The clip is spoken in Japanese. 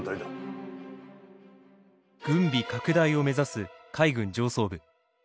軍備拡大を目指す海軍上層部。